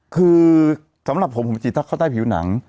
คือสำหรับผมผมฉีดถ้าเข้าใต้ผิวหนัง